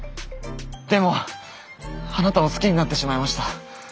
でもあなたを好きになってしまいました。